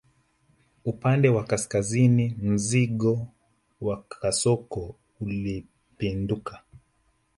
Upande wa kaskazini wa mzingo wa kasoko ulipinduka